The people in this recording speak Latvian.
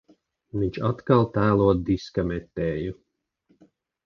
Viņš atkal tēlo diska metēju.